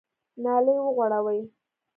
نالۍ وغوړوئ !